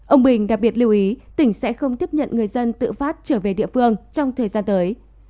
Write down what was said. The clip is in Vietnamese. ông bình đặc biệt lưu ý tỉnh sẽ không tiếp nhận người dân tự phát trở về địa phương trong thời gian tới